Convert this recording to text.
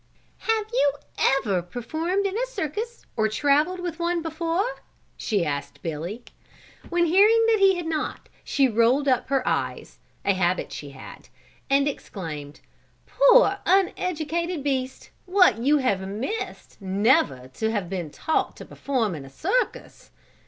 "Have you ever performed in a circus or traveled with one before?" she asked Billy. When hearing that he had not, she rolled up her eyes, a habit she had, and exclaimed: "Poor uneducated beast, what you have missed, never to have been taught to perform in a circus."